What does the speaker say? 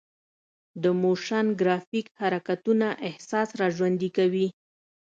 د موشن ګرافیک حرکتونه احساس راژوندي کوي.